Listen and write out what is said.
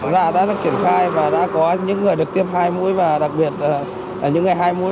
đã được triển khai và đã có những người được tiêm hai mũi và đặc biệt là những người hai mũi